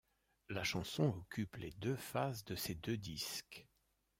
La chanson occupe les deux faces de ces deux disques.